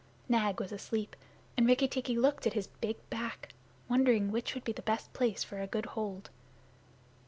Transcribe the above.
Nag was asleep, and Rikki tikki looked at his big back, wondering which would be the best place for a good hold.